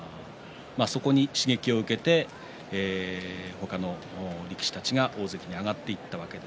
そこに刺激を受けて他の力士たちが大関に上がっていきました。